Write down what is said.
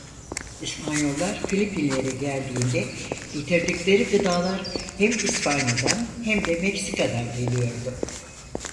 İspanyollar Filipinler'e geldiğinde getirdikleri gıdalar hem İspanya'dan hem de Meksika'dan geliyordu.